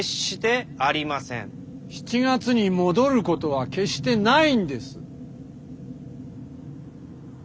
７月に戻る事は決してないんです。